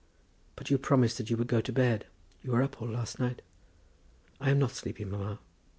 "But you promised that you would go to bed. You were up all last night." "I am not sleepy, mamma."